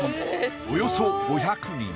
およそ５００人